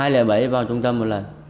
hai trăm linh bảy vào trung tâm một lần